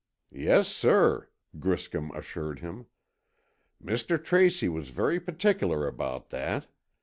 "Yes, sir," Griscom assured him. "Mr. Tracy was very particular about that.